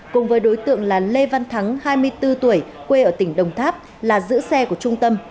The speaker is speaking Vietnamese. cùng với đối tượng là lê văn thắng hai mươi bốn tuổi quê ở tỉnh đồng tháp là giữ xe của trung tâm